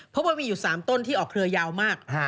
เพราะว่ามีอยู่๓ต้นที่ออกเครือยาวมาก